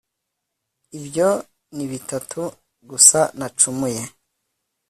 Ibyo ni bitatu gusa Nacumuye